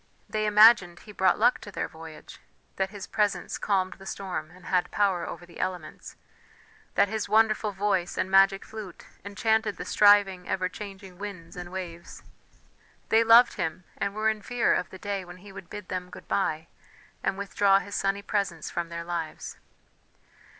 They imagined he brought luck to their voyage, that his presence calmed the storm and had power over the elements, that his wonderful voice and magic flute enchanted the striving, ever changing winds and waves. They loved him, and were in fear of the day when he would bid them good bye and withdraw his sunny presence from their lives.